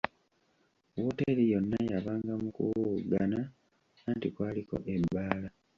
Wooteri yonna yabanga mu kuwowoggana anti kwaliko ebbaala!